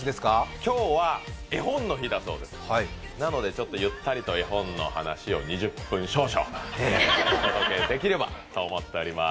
今日は、絵本の日だそうですなのでちょっとゆったりと絵本の話を２０分少々、お届けできればと思っております。